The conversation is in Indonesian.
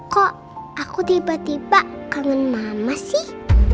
kok aku tiba tiba kangen mana sih